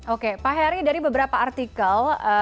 oke pak heri dari beberapa artikel